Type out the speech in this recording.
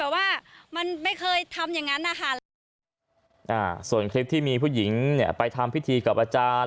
ส่วนคลิปที่มีผู้หญิงไปทำพิธีกับอาจารย์